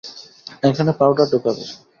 এখানে পাউডার ঢোকাবে।